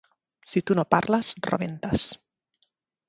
Si tu no parles, rebentes.